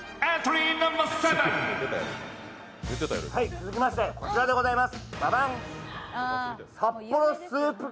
続きましてこちらでございます。